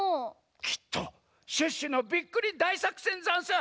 きっとシュッシュのビックリだいさくせんざんす！